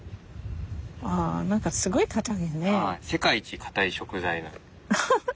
ああ何かすごいかたいよね。